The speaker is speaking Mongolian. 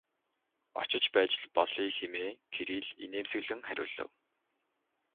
Очиж байж л болъё хэмээн Кирилл инээмсэглэн хариулав.